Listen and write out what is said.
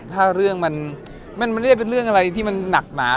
ถ้าเรื่องมันไม่ได้เป็นเรื่องอะไรที่มันหนักหนา